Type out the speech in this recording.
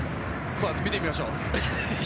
見てみましょう。